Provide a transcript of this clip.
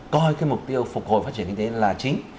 coi cái mục tiêu phục hồi phát triển kinh tế là chính